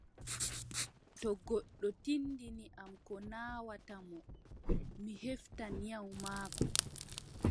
To goddo tinndini am ko naawata mo, mi heɓtan nyawu maako.